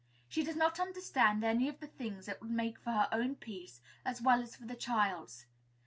She does not understand any of the things that would make for her own peace, as well as for the child's.